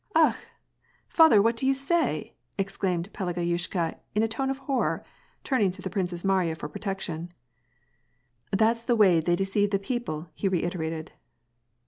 " Akh ! Father, what do you say ?" exclaimed Pelage yushka, in a tone of horror, turning to the Princess Mariya for protection. " That's the way they deceive the people," he reiterated.